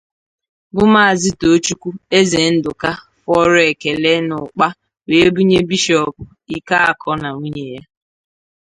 ' bụ Maazị Toochukwu Ezendụka fọrọ ekele n'ụkpa wee bunye Bishọọpụ Ikeakọr na nwunye ya